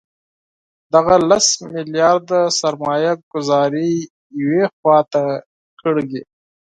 دغه لس میلیارده سرمایه ګوزاري یوې خوا ته کړئ.